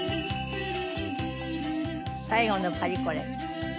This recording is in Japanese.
最後のパリコレ。